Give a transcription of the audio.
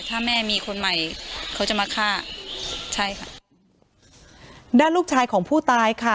ถ้าแม่มีคนใหม่เขาจะมาฆ่าใช่ค่ะด้านลูกชายของผู้ตายค่ะ